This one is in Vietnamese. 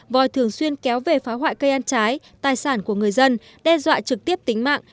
vòi thường xuyên kéo về phá hoại cây ăn trái tài sản của người dân đe dọa trực tiếp tính mạng